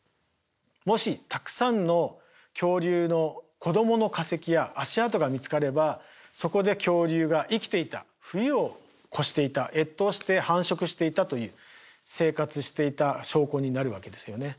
もしたくさんの恐竜の子供の化石や足跡が見つかればそこで恐竜が生きていた冬を越していた越冬して繁殖していたという生活していた証拠になるわけですよね。